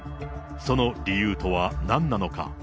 その理由とはなんなのか。